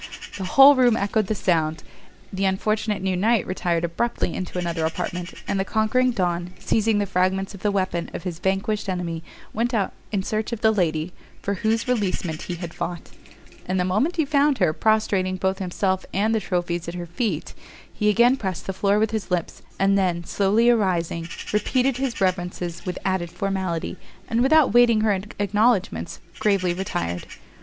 the whole room echoed the sound; the unfortunate new knight retired abruptly into another apartment, and the conquering Don, seizing the fragments of the weapon of his vanquished enemy went out in search of the lady for whose releasement he had fought: and the moment he found her, prostrating both himself and the trophies at her feet, he again pressed the floor with his lips, and then, slowly arising, repeated his reverences with added formality, and, without waiting her acknowledgments, gravely retired.